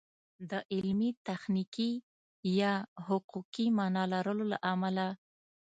د علمي، تخنیکي یا حقوقي مانا لرلو له امله